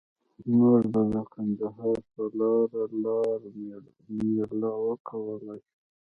مونږ به د کندهار په لاره لار میله وکولای شو.